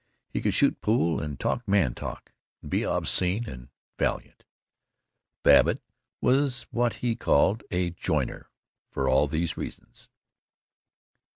He could shoot pool and talk man talk and be obscene and valiant. Babbitt was what he called a "joiner" for all these reasons.